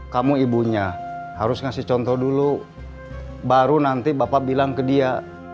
kamu ibunya harus ngasih contoh dulu baru nanti bapak bilang ke dia